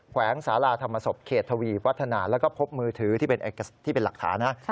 วงสาราธรรมศพเขตทวีวัฒนาแล้วก็พบมือถือที่เป็นหลักฐานนะ